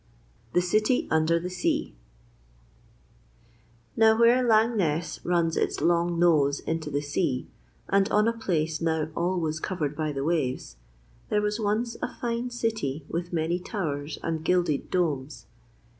THE CITY UNDER SEA Now where Langness runs its long nose into the sea, and on a place now always covered by the waves, there was once a fine city with many towers and gilded domes.